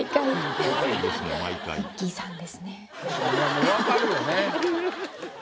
もう分かるよね。